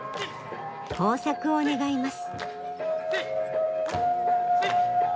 豊作を願います。